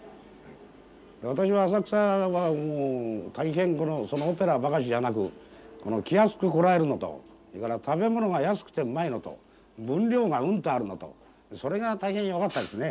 私は浅草はもう大変そのオペラばかしじゃなく気安く来られるのとそれから食べ物が安くてうまいのと分量がうんとあるのとそれが大変によかったですね。